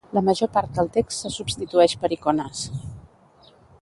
La major part del text se substitueix per icones.